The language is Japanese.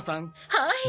はい！